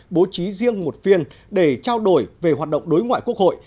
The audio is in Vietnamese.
bố trí riêng một phiên để trao đổi về hoạt động đối ngoại quốc hội